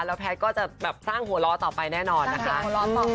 แล้วแพทย์ก็จะสร้างโหล่ต่อไปแน่นอนนะคะ